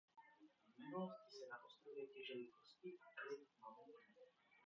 V minulosti se na ostrově těžily kosti a kly mamutů.